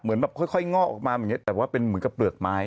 เหมือนแบบค่อยงอกออกมาแบบนี้แต่ว่าเป็นเหมือนกับเปลือกไม้